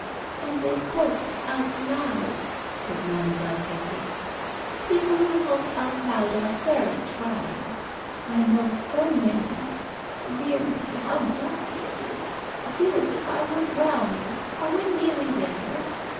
"And they hope out loud," said Madame Valtesi. "People who hope out loud are very trying. I know so many. Dear me, how dusty it is! I feel as if I were drowning. Are we nearly there?"